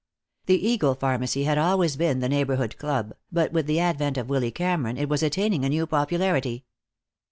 The Eagle Pharmacy had always been the neighborhood club, but with the advent of Willy Cameron it was attaining a new popularity.